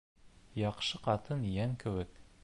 Яҡшы ҡатын йән кеүек